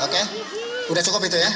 sudah cukup itu ya